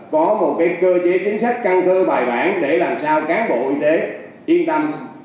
có một cơ chế chính sách căng thơ bài bản để làm sao cán bộ y tế yên tâm